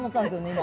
今。